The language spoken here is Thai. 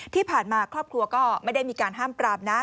ที่ผ่านมาครอบครัวก็ไม่ได้มีการห้ามปรามนะ